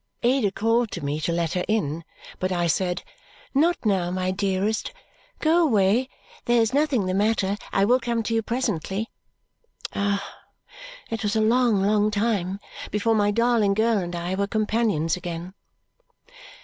Ada called to me to let her in, but I said, "Not now, my dearest. Go away. There's nothing the matter; I will come to you presently." Ah! It was a long, long time before my darling girl and I were companions again.